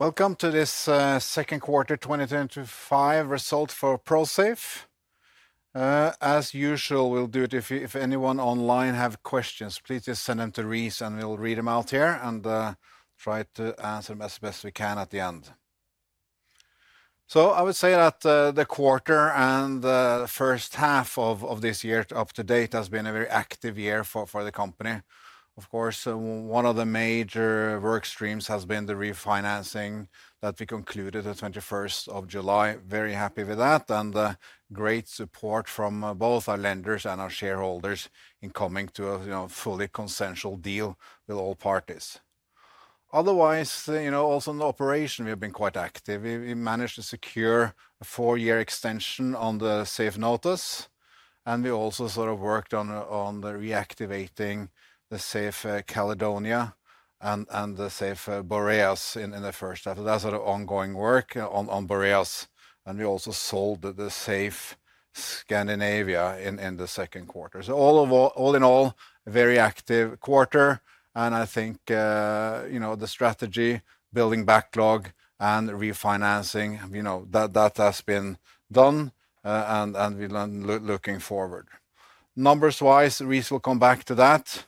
Welcome to this Second Quarter 2025 Result for Prosafe. As usual, we'll do it if anyone online has questions. Please just send them to Reese and we'll read them out here and try to answer them as best we can at the end. I would say that the quarter and the first half of this year up to date has been a very active year for the company. Of course, one of the major work streams has been the refinancing that we concluded the 21st of July. Very happy with that and great support from both our lenders and our shareholders in coming to a fully consensual deal with all parties. Otherwise, you know, also in the operation we've been quite active. We managed to secure a four-year extension on the Safe Notos and we also sort of worked on reactivating the Safe Caledonia and the Safe Boreas in the first half. That's sort of ongoing work on Boreas and we also sold the Safe Scandinavia in the second quarter. All in all, a very active quarter and I think, you know, the strategy, building backlog and refinancing, you know, that has been done and we're looking forward. Numbers-wise, Reese will come back to that,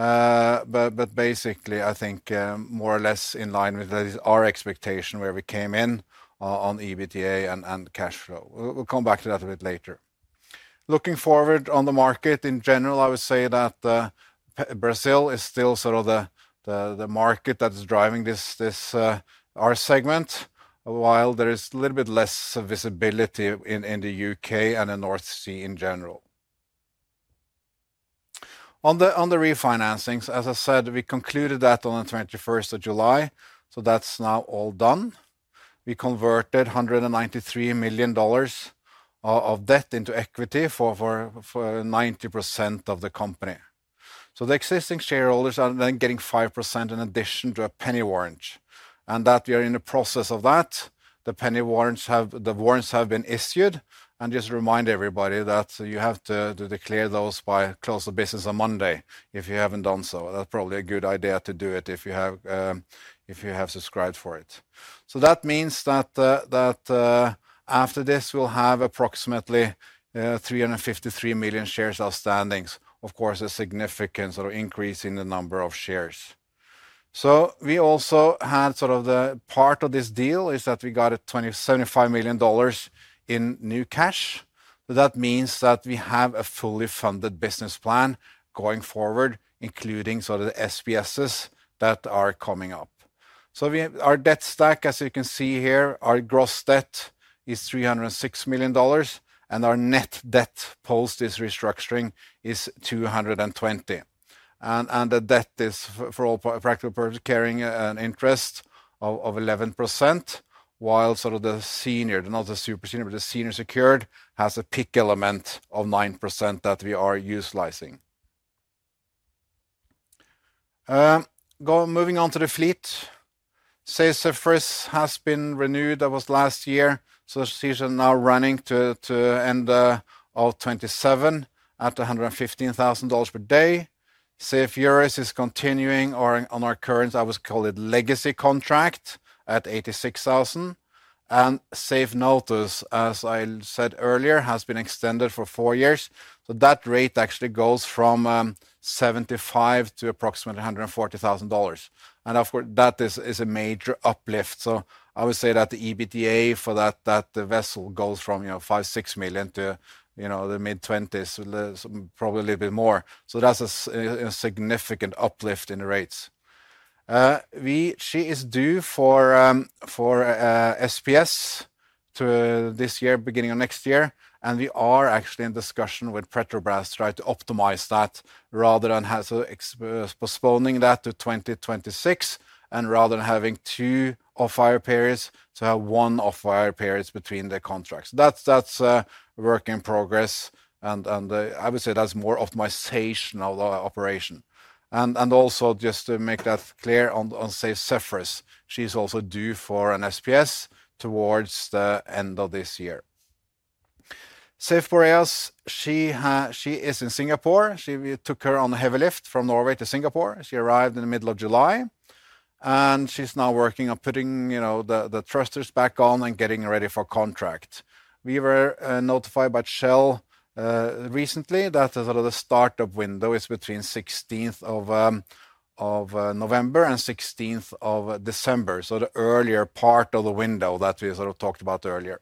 but basically I think more or less in line with our expectation where we came in on EBITDA and cash flow. We'll come back to that a bit later. Looking forward on the market in general, I would say that Brazil is still sort of the market that's driving our segment, while there is a little bit less visibility in the U.K. and the North Sea in general. On the refinancing, as I said, we concluded that on the 21st of July, so that's now all done. We converted $193 million of debt into equity for 90% of the company. The existing shareholders are then getting 5% in addition to a penny warrant and that we are in the process of that. The penny warrants have been issued and just remind everybody that you have to declare those by close of business on Monday if you haven't done so. That's probably a good idea to do it if you have subscribed for it. That means that after this we'll have approximately 353 million shares outstanding. Of course, a significant sort of increase in the number of shares. We also had sort of the part of this deal is that we got $75 million in new cash. That means that we have a fully funded business plan going forward, including sort of the SPSes that are coming up. Our debt stack, as you can see here, our gross debt is $306 million and our net debt post this restructuring is $220 million. The debt is for all practical purposes carrying an interest of 11%, while the senior, not the super senior, but the senior secured has a peak element of 9% that we are utilizing. Moving on to the fleet, Safe Zephyrus has been renewed, that was last year. The seats are now running to end of 2027 at $115,000 per day. Safe Eurus is continuing on our current, I would call it legacy contract at $86,000 and Safe Notos, as I said earlier, has been extended for four years. That rate actually goes from $75,000 to approximately $140,000. That is a major uplift. I would say that the EBITDA for that vessel goes from $5 million-$6 million to the mid-20s, probably a little bit more. That is a significant uplift in the rates. She is due for SPS this year, beginning of next year, and we are actually in discussion with Petrobras to try to optimize that rather than postponing that to 2026 and rather than having two off-hire periods, to have one off-hire period between the contracts. That is a work in progress and I would say that is more optimization of the operation. Also, just to make that clear on Safe Zephyrus, she is also due for an SPS towards the end of this year. Safe Boreas, she is in Singapore. We took her on a heavy lift from Norway to Singapore. She arrived in the middle of July and she is now working on putting the thrusters back on and getting ready for contract. We were notified by Shell recently that the startup window is between 16th of November and 16th of December. The earlier part of the window that we talked about earlier.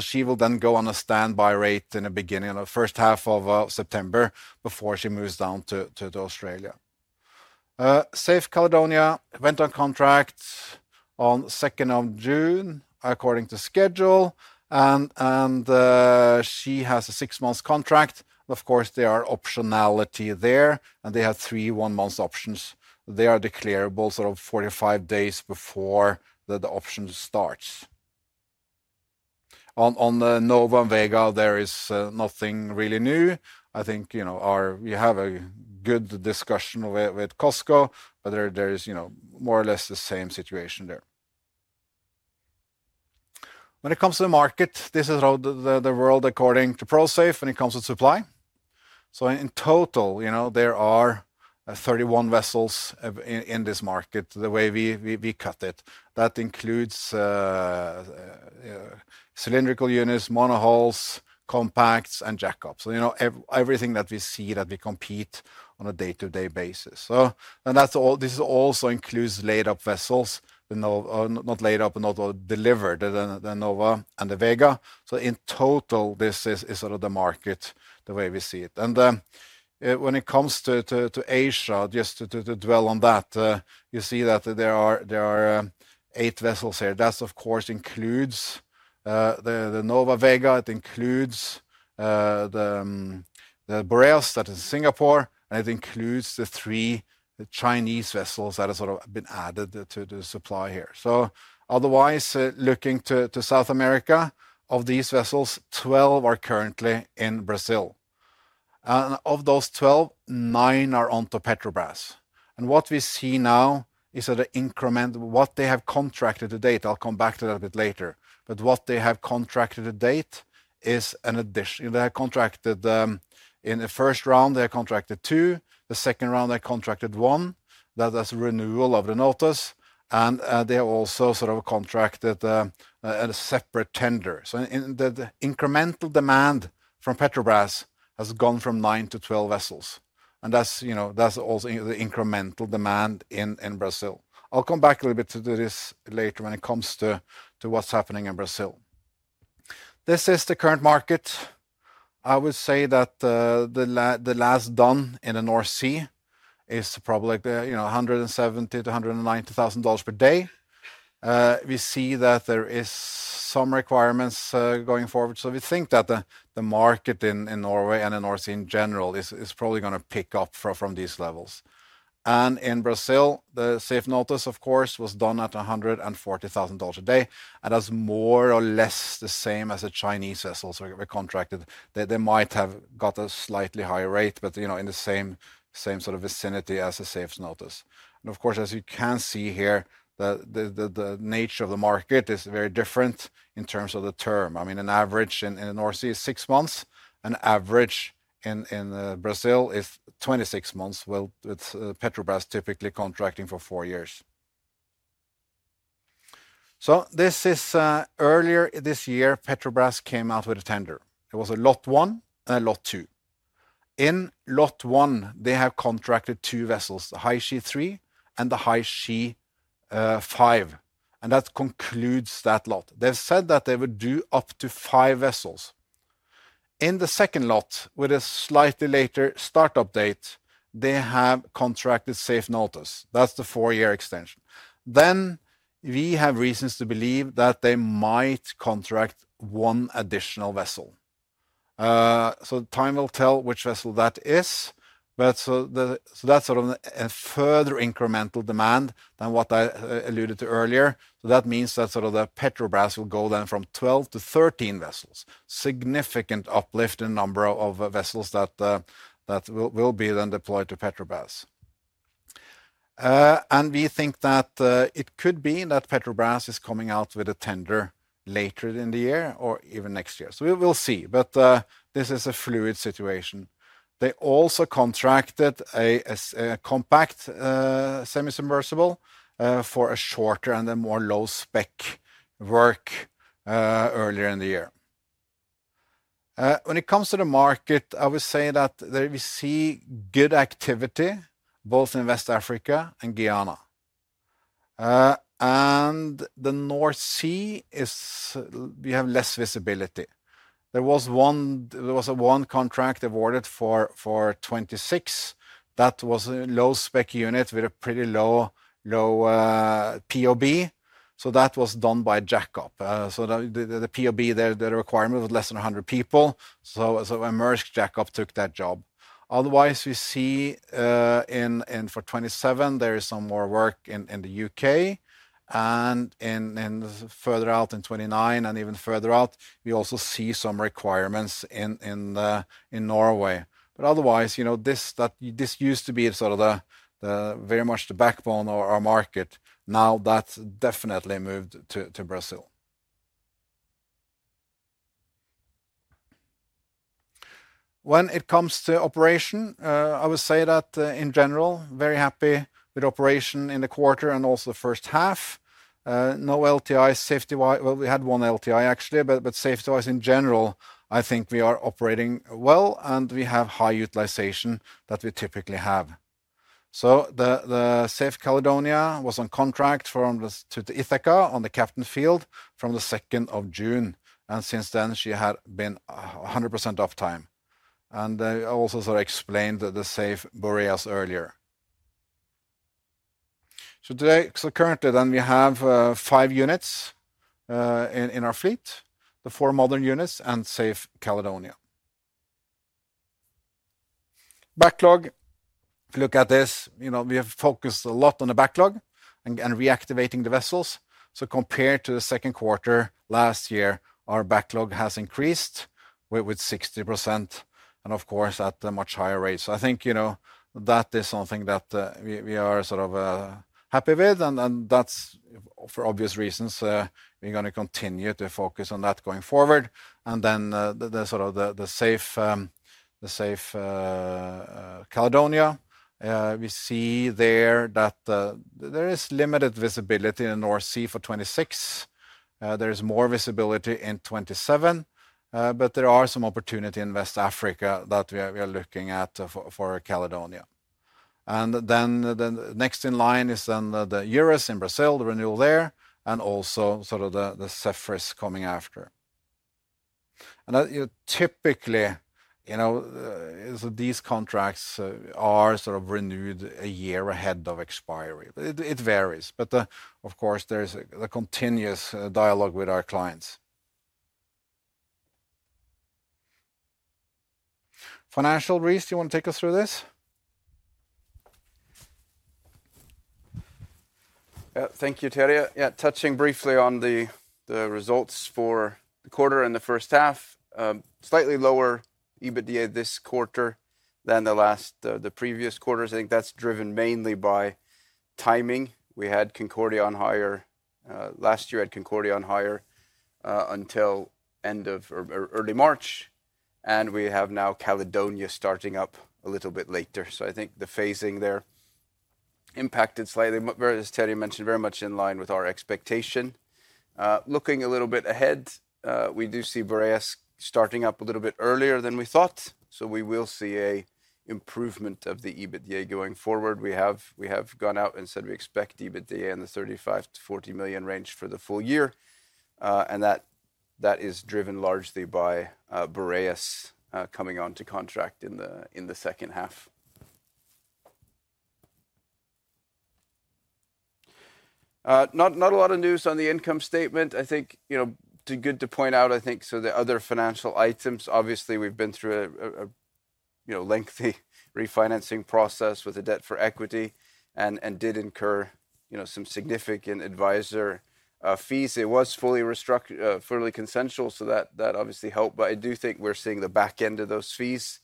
She will then go on a standby rate in the beginning of the first half of September before she moves down to Australia. Safe Caledonia went on contract on 2nd of June according to schedule and she has a six-month contract. There are optionalities there and they have three one-month options. They are declarable 45 days before the option starts. On Nova and Vega, there is nothing really new. I think we have a good discussion with COSCO where there is more or less the same situation there. When it comes to the market, this is the world according to Prosafe when it comes to supply. In total, there are 31 vessels in this market the way we cut it. That includes cylindrical units, monohulls, compacts, and jack-ups. Everything that we see that we compete on a day-to-day basis. This also includes laid-up vessels, not laid-up, but not delivered, the Nova and the Vega. In total, this is sort of the market the way we see it. When it comes to Asia, just to dwell on that, you see that there are eight vessels here. That of course includes the Nova, Vega, it includes the Boreas that is in Singapore, and it includes the three Chinese vessels that have sort of been added to the supply here. Otherwise, looking to South America, of these vessels, 12 are currently in Brazil. Of those 12, nine are onto Petrobras. What we see now is that the increment, what they have contracted to date, I'll come back to that a bit later, but what they have contracted to date is an addition. They have contracted in the first round, they have contracted two, the second round they have contracted one, that is renewal of the Notos, and they also sort of contracted a separate tender. The incremental demand from Petrobras has gone from nine to 12 vessels. That's also the incremental demand in Brazil. I'll come back a little bit to this later when it comes to what's happening in Brazil. This is the current market. I would say that the last done in the North Sea is probably like $170,000-$190,000 per day. We see that there are some requirements going forward. We think that the market in Norway and the North Sea in general is probably going to pick up from these levels. In Brazil, the Safe Notos, of course, was done at $140,000 a day. That's more or less the same as the Chinese vessels we contracted. They might have got a slightly higher rate, but in the same sort of vicinity as the Safe Notos. As you can see here, the nature of the market is very different in terms of the term. An average in the North Sea is six months, an average in Brazil is 26 months. Petrobras is typically contracting for four years. Earlier this year, Petrobras came out with a tender. It was a Lot 1 and a Lot 2. In Lot 1, they have contracted two vessels, the [Hi C3 and the Hi C5]. That concludes that lot. They've said that they would do up to five vessels. In the second lot, with a slightly later startup date, they have contracted Safe Notos. That's the four-year extension. We have reasons to believe that they might contract one additional vessel. Time will tell which vessel that is, but that's sort of a further incremental demand than what I alluded to earlier. That means that Petrobras will go then from 12 to 13 vessels. Significant uplift in the number of vessels that will be then deployed to Petrobras. We think that it could be that Petrobras is coming out with a tender later in the year or even next year. We will see, but this is a fluid situation. They also contracted a compact semi-submersible for a shorter and more low-spec work earlier in the year. When it comes to the market, I would say that we see good activity both in West Africa and Guyana. In the North Sea, we have less visibility. There was one contract awarded for 2026. That was a low-spec unit with a pretty low POB. That was done by jack-up. The POB there, the requirement was less than 100 people. Emerge jack-up took that job. Otherwise, we see for 2027, there is some more work in the U.K. Further out in 2029 and even further out, we also see some requirements in Norway. This used to be very much the backbone of our market. Now that's definitely moved to Brazil. When it comes to operation, I would say that in general, very happy with operation in the quarter and also the first half. No LTI safety-wise. We had one LTI actually, but safety-wise in general, I think we are operating well and we have high utilization that we typically have. The Safe Caledonia was on contract to Ithaca on the Captain field from the 2nd of June. Since then, she had been 100% off time. I also explained the Safe Boreas earlier. Currently, we have five units in our fleet, the four modern units and Safe Caledonia. Backlog, if you look at this, we have focused a lot on the backlog and reactivating the vessels. Compared to the second quarter last year, our backlog has increased by 60% and of course at a much higher rate. That is something that we are happy with and that's for obvious reasons. We're going to continue to focus on that going forward. The Safe Caledonia, we see there that there is limited visibility in the North Sea for 2026. There is more visibility in 2027, but there are some opportunities in West Africa that we are looking at for Caledonia. The next in line is then the Eurus in Brazil, the renewal there, and also the Zephyrus coming after. Typically, you know, these contracts are sort of renewed a year ahead of expiry. It varies, but of course there is a continuous dialogue with our clients. Financial, Reese, do you want to take us through this? Yeah, thank you, Terje. Yeah, touching briefly on the results for the quarter and the first half. Slightly lower EBITDA this quarter than the previous quarters. I think that's driven mainly by timing. We had Concordia on hire last year, had Concordia on hire until end of early March, and we have now Caledonia starting up a little bit later. I think the phasing there impacted slightly, but as Terje mentioned, very much in line with our expectation. Looking a little bit ahead, we do see Boreas starting up a little bit earlier than we thought. We will see an improvement of the EBITDA going forward. We have gone out and said we expect EBITDA in the $35 million-$40 million range for the full year, and that is driven largely by Boreas coming on to contract in the second half. Not a lot of news on the income statement. I think, you know, good to point out, I think, so the other financial items, obviously we've been through a lengthy refinancing process with a debt for equity and did incur, you know, some significant advisor fees. It was fully restructured, fairly consensual, so that obviously helped, but I do think we're seeing the back end of those fees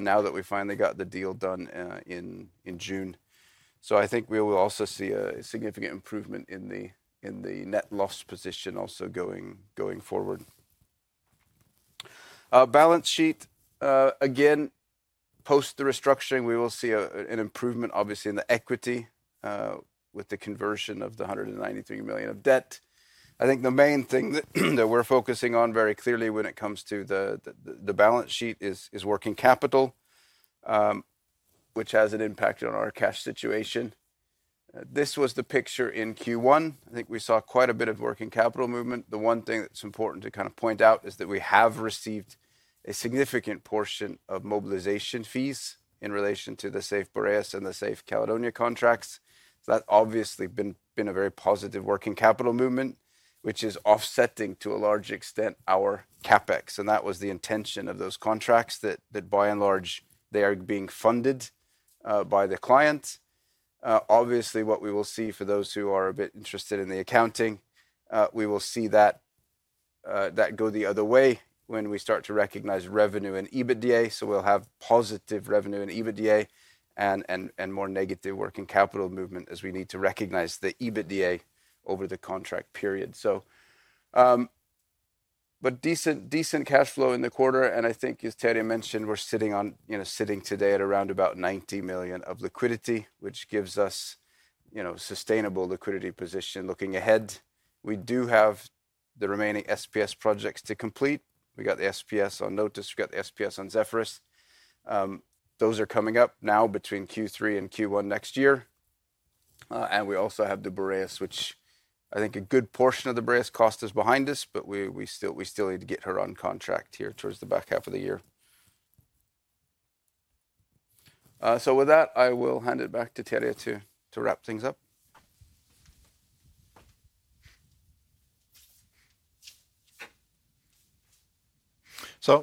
now that we finally got the deal done in June. I think we will also see a significant improvement in the net loss position also going forward. Balance sheet, again, post the restructuring, we will see an improvement obviously in the equity with the conversion of the $193 million of debt. I think the main thing that we're focusing on very clearly when it comes to the balance sheet is working capital, which has an impact on our cash situation. This was the picture in Q1. I think we saw quite a bit of working capital movement. The one thing that's important to kind of point out is that we have received a significant portion of mobilization fees in relation to the Safe Boreas and the Safe Caledonia contracts. That obviously has been a very positive working capital movement, which is offsetting to a large extent our CapEx. That was the intention of those contracts that by and large they are being funded by the client. Obviously, what we will see for those who are a bit interested in the accounting, we will see that go the other way when we start to recognize revenue in EBITDA. We'll have positive revenue in EBITDA and more negative working capital movement as we need to recognize the EBITDA over the contract period. Decent cash flow in the quarter, and I think, as Terje mentioned, we're sitting on, you know, sitting today at around about $90 million of liquidity, which gives us, you know, a sustainable liquidity position looking ahead. We do have the remaining SPS projects to complete. We got the SPS on Notos, we got the SPS on Zephyrus. Those are coming up now between Q3 and Q1 next year. We also have the Boreas, which I think a good portion of the Boreas cost is behind us, but we still need to get her on contract here towards the back half of the year. With that, I will hand it back to Terje to wrap things up.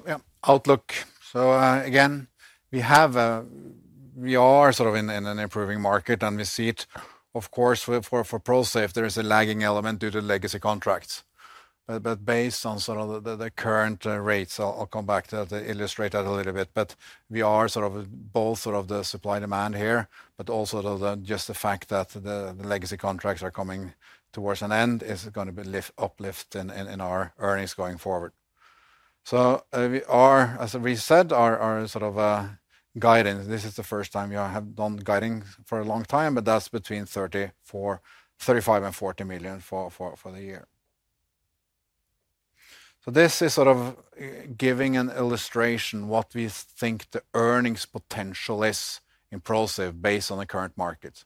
Yeah, outlook. Again, we are sort of in an improving market and we see it, of course, for Prosafe there is a lagging element due to legacy contracts. Based on the current rates, I'll come back to illustrate that a little bit. We are both sort of the supply-demand here, but also just the fact that the legacy contracts are coming towards an end is going to be an uplift in our earnings going forward. As we said, our guidance—this is the first time we have done guidance for a long time—but that's between $35 million and $40 million for the year. This is giving an illustration of what we think the earnings potential is in Prosafe based on the current market.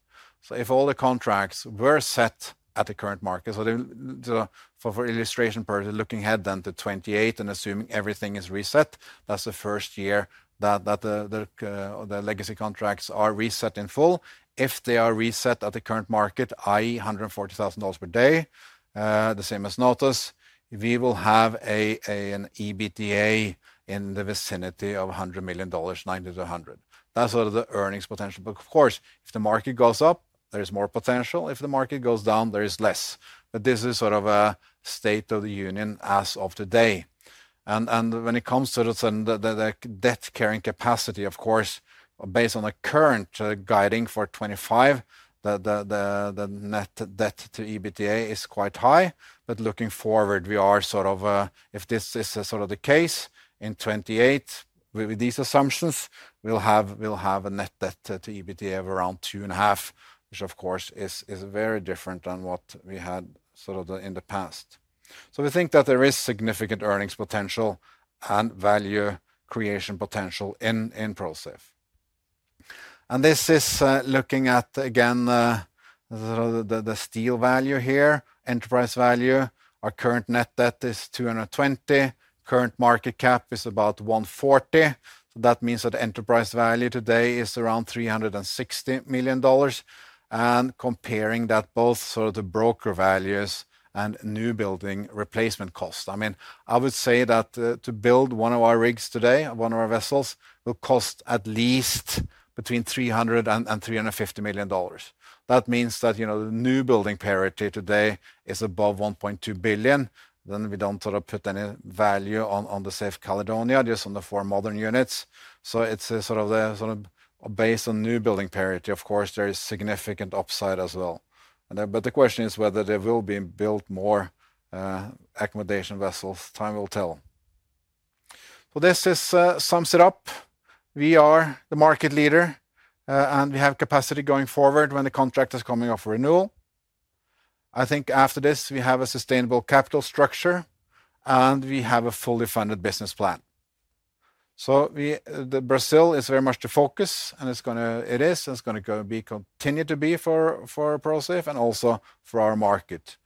If all the contracts were set at the current market, so for illustration purposes, looking ahead to 2028 and assuming everything is reset, that's the first year that the legacy contracts are reset in full. If they are reset at the current market, i.e. $140,000 per day, the same as Notos, we will have an EBITDA in the vicinity of $100 million, $90 million-$100 million. That's the earnings potential. Of course, if the market goes up, there is more potential. If the market goes down, there is less. This is a state of the union as of today. When it comes to the debt carrying capacity, based on the current guiding for 2025, the net debt to EBITDA is quite high. Looking forward, if this is the case in 2028, with these assumptions, we'll have a net debt to EBITDA of around 2.5, which is very different than what we had in the past. We think that there is significant earnings potential and value creation potential in Prosafe. This is looking at, again, the steel value here, enterprise value. Our current net debt is $220 million, current market cap is about $140 million. That means that enterprise value today is around $360 million. Comparing that both to the broker values and new building replacement costs, I would say that to build one of our rigs today, one of our vessels, will cost at least between $300 million and $350 million. That means that the new building parity today is above $1.2 billion. We don't put any value on the Safe Caledonia, just on the four modern units. It's based on new building parity. Of course, there is significant upside as well. The question is whether there will be built more accommodation vessels. Time will tell. This sums it up. We are the market leader and we have capacity going forward when the contract is coming up for renewal. I think after this, we have a sustainable capital structure and we have a fully funded business plan. Brazil is very much the focus and it is and it's going to continue to be for Prosafe and also for our market.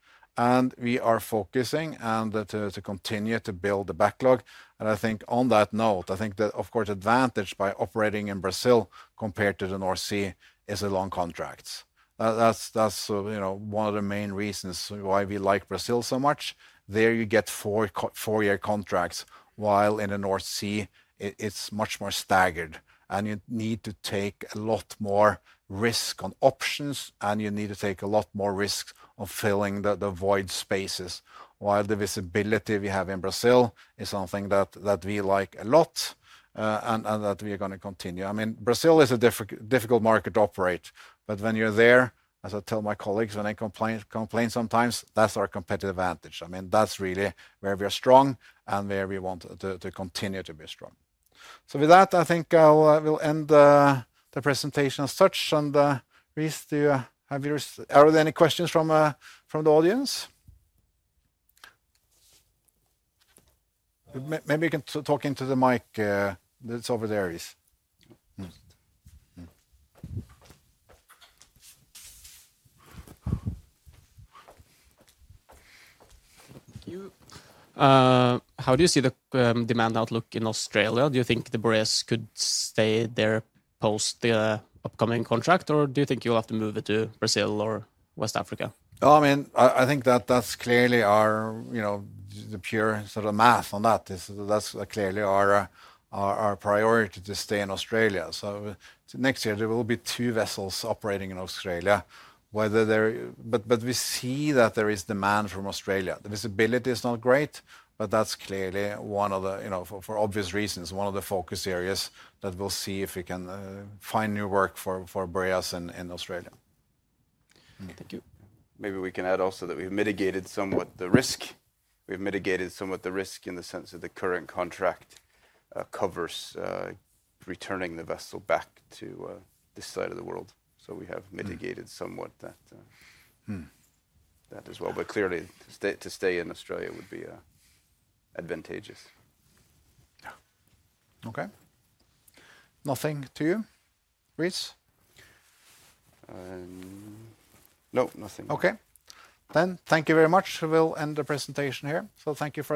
We are focusing to continue to build the backlog. I think on that note, of course the advantage by operating in Brazil compared to the North Sea is the long contracts. That's one of the main reasons why we like Brazil so much. There you get four-year contracts while in the North Sea, it's much more staggered. You need to take a lot more risk on options and you need to take a lot more risk on filling the void spaces. The visibility we have in Brazil is something that we like a lot and that we are going to continue. Brazil is a difficult market to operate. When you're there, as I tell my colleagues, when they complain sometimes, that's our competitive advantage. That's really where we are strong and where we want to continue to be strong. With that, I think we'll end the presentation as such. Reese, do you have any questions from the audience? Maybe you can talk into the mic. It's over there, Reese. How do you see the demand outlook in Australia? Do you think the Boreas could stay there post the upcoming contract, or do you think you'll have to move it to Brazil or West Africa? I think that's clearly our, you know, the pure sort of math on that. That's clearly our priority to stay in Australia. Next year there will be two vessels operating in Australia. We see that there is demand from Australia. The visibility is not great, but that's clearly one of the, you know, for obvious reasons, one of the focus areas that we'll see if we can find new work for Boreas in Australia. Thank you. We can add also that we've mitigated somewhat the risk. We've mitigated somewhat the risk in the sense that the current contract covers returning the vessel back to this side of the world. We have mitigated somewhat that as well. Clearly, to stay in Australia would be advantageous. Okay. Nothing to you, Reese? No, nothing. Thank you very much. We'll end the presentation here. Thank you for.